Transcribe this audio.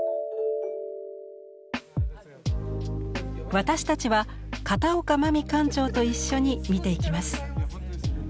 私たちは片岡真実館長と一緒に見ていきます。